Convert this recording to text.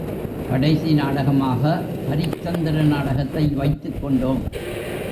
கடைசி நாடகமாக ஹரிச்சந்திர நாடகத்தை வைத்துக்கொண்டோம்.